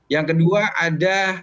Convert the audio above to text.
yang kedua ada